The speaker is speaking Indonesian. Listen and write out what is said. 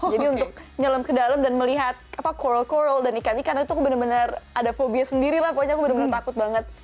jadi untuk ngelem ke dalam dan melihat coral coral dan ikan ikan itu bener bener ada phobia sendiri lah pokoknya aku bener bener takut banget